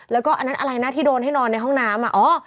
แล้วก็อันนั้นอะไรนะที่โดนให้นอนในห้องน้ำ